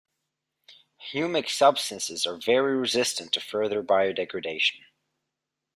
Humic substances are very resistant to further biodegradation.